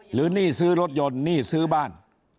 หนี้ซื้อรถยนต์หนี้ซื้อบ้าน